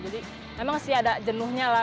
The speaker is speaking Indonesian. jadi emang sih ada jenuhnya lah